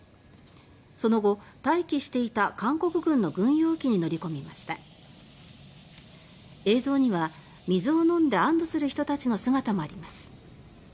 その後、待機していた韓国軍の軍用機に乗り込みました映像には、水を飲んで安堵する人たちの姿もあります。